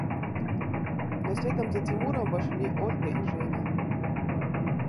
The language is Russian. Но следом за Тимуром вошли Ольга и Женя.